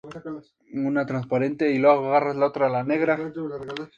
Casandra fue entregada como concubina al rey Agamenón de Micenas.